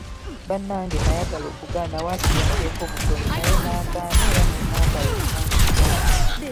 Bannange nayagala okugaana waakiri ampeeko butono naye n'agaana era n'agamba yonna ngitwale.